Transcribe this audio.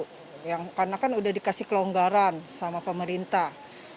karena kan sudah dikasih kelonggaran sama pemerintah